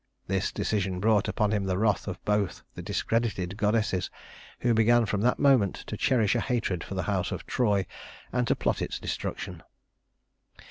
This decision brought upon him the wrath of both the discredited goddesses, who began from that moment to cherish a hatred for the house of Troy, and to plot its destruction.